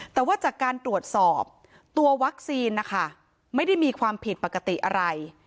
แต่ว่าจากการตรวจสอบตัววัคซีนนะคะไม่ได้มีความผิดปกติอะไร